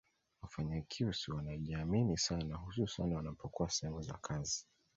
Wanyakyusa wanajiamini sana hususani wanapokuwa sehemu za kazi